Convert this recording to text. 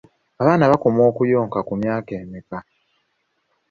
Abaana bakoma okuyonka ku myaka emeka?